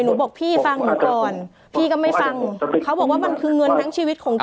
บอกพี่ฟังหนูก่อนพี่ก็ไม่ฟังเขาบอกว่ามันคือเงินทั้งชีวิตของเธอ